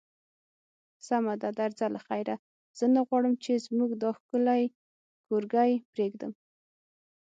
سمه ده، درځه له خیره، زه نه غواړم چې زموږ دا ښکلی کورګی پرېږدم.